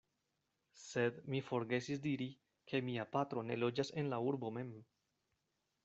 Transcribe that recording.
Sed mi forgesis diri, ke mia patro ne loĝas en la urbo mem.